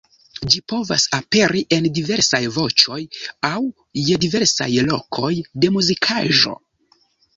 Ĝi povas aperi en diversaj voĉoj aŭ je diversaj lokoj de muzikaĵo.